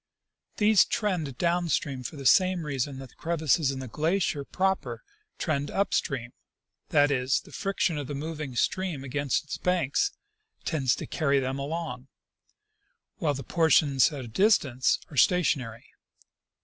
These trend down stream for the same reason that the crevasses in the glacier proper trend up stream — that is, the friction of the moving stream against its banks tends to carry them along, while the portions at a distance are stationary.